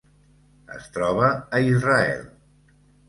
Es troba a Israel.